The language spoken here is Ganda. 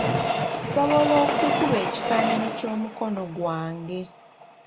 Nsobola okukuba ekifaananyi ky'omukono gwange.